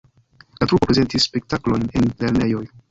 La trupo prezentis spektaklojn en lernejoj.